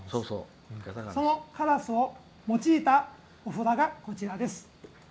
そのカラスを用いたお札がこちらです。